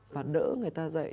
và đỡ người ta dậy